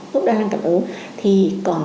gốc đa năng cảm ứng thì còn